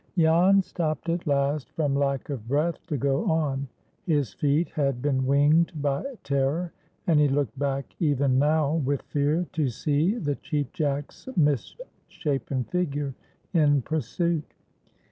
JAN stopped at last from lack of breath to go on. His feet had been winged by terror, and he looked back even now with fear to see the Cheap Jack's misshapen figure in pursuit.